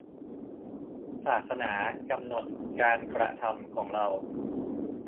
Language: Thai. ศาสนากำหนดการกระทำของเรา